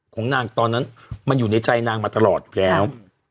ของนางตอนนั้นมันอยู่ในใจนางมาตลอดอยู่แล้ว